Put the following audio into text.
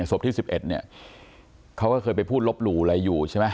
สบที่๑๑เขาก็เคยไปพูดลบหรูอะไรอยู่ใช่ไหม